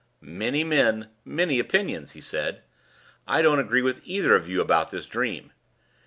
"Many men, many opinions," he said. "I don't agree with either of you about this dream.